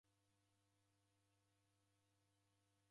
W'ekanya kichuku.